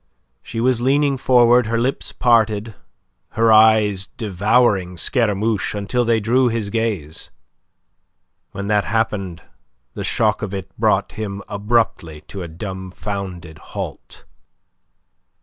She was leaning forward, her lips parted, her eyes devouring Scaramouche until they drew his gaze. When that happened, the shock of it brought him abruptly to a dumfounded halt.